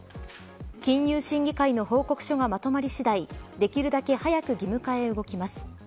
金融審議会の報告書がまとまり次第できるだけ早く義務化へ動きます。